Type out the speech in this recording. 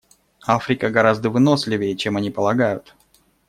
Африка гораздо выносливее, чем они полагают.